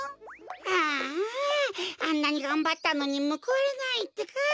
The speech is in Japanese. あああんなにがんばったのにむくわれないってか。